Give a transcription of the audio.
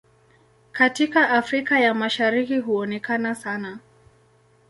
Katika Afrika ya Mashariki huonekana sana.